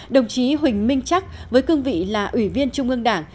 đồng chí huỳnh minh chắc với cương vị là ủy viên trung ương đảng